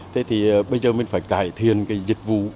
thế thì bây giờ mình phải cải thiện cái dịch vụ